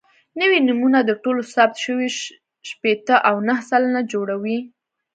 نوي نومونه د ټولو ثبت شویو شپېته او نهه سلنه جوړوي.